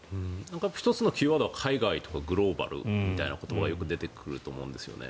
１つのキーワードは海外とかグローバルみたいなことがよく出てくると思うんですね。